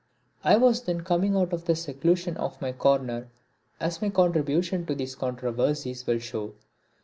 I was then coming out of the seclusion of my corner as my contributions to these controversies will show.